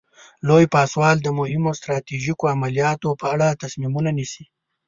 لوی پاسوال د مهمو ستراتیژیکو عملیاتو په اړه تصمیمونه نیسي.